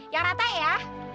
yang rata ya